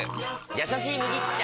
「やさしい麦茶」！